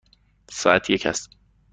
ساعت یک است.